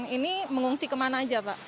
ini mengungsi kemana aja pak